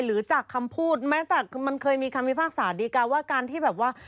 หรือจากคำพูดแม้แต่มันเคยมีคำพิพากษาดีการว่าการที่แบบว่า